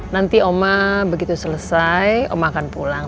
nanti oma begitu selesai oma akan pulang